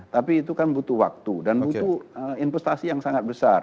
tapi itu kan butuh waktu dan butuh investasi yang sangat besar